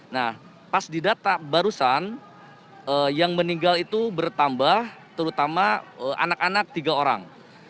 nah pas didata barusan yang meninggal itu bertambah terutama anak anak tiga orang